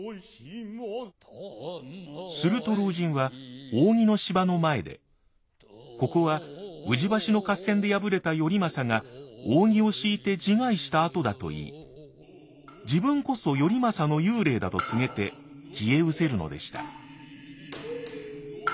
すると老人は扇の芝の前で「ここは宇治橋の合戦で敗れた頼政が扇を敷いて自害した跡だ」と言い自分こそ頼政の幽霊だと告げて消えうせるのでした。